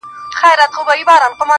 چي ستا به اوس زه هسي ياد هم نه يم,